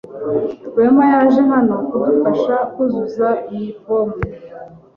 Rwema yaje hano kudufasha kuzuza iyi fomu.